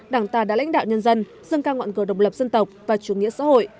đảng ta đã lãnh đạo nhân dân dân cao ngọn cờ đồng lập dân tộc và chủ nghĩa xã hội